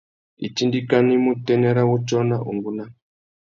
Itindikana i mú utênê râ wutiō na ungúná.